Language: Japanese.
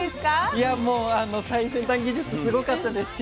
いやもう最先端技術すごかったですし